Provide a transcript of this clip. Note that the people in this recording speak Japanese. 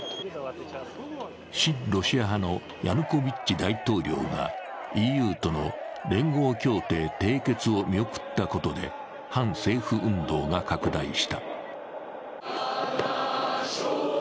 親ロシア派のヤヌコビッチ大統領がＥＵとの連合協定締結を見送ったことで、反政府運動が拡大した。